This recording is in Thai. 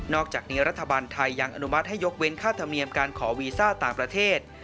อกจากนี้รัฐบาลไทยยังอนุมัติให้ยกเว้นค่าธรรมเนียมการขอวีซ่าต่างประเทศ